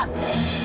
dia pasti menang